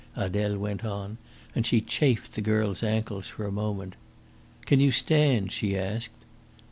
Adele went on, and she chafed the girl's ankles for a moment. "Can you stand?" she asked.